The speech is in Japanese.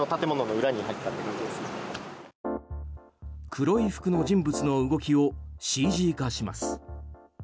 黒い服の人物の動きをＣＧ化します。